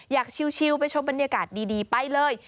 ชิวไปชมบรรยากาศดีไปเลย